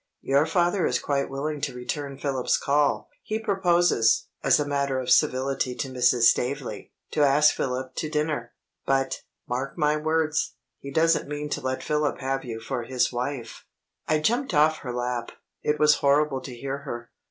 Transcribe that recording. Your father is quite willing to return Philip's call; he proposes (as a matter of civility to Mrs. Staveley) to ask Philip to dinner; but, mark my words, he doesn't mean to let Philip have you for his wife." I jumped off her lap; it was horrible to hear her.